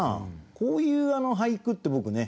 こういう俳句って僕ね